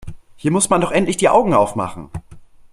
Hier muss man doch endlich die Augen aufmachen!